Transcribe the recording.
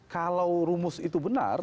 kalau rumus itu benar